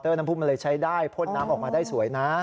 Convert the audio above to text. มอเตอร์น้ำพุมันเลยใช้ได้พดน้ำออกมาได้สวยนะ